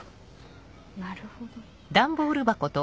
なるほど。